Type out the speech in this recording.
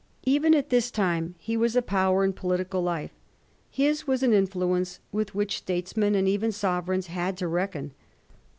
Even at this time he was a power in political life ; his was an influence with which statesmen and even sovereigns had to reckon.